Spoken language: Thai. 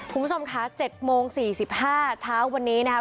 คุณผู้ชมค่ะเจ็ดโมงสี่สิบห้าเช้าวันนี้นะครับ